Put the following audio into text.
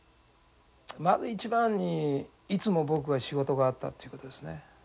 まず一番にいつも僕が仕事があったっていうことですね。